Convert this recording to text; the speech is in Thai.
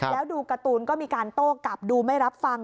แล้วดูการ์ตูนก็มีการโต้กลับดูไม่รับฟัง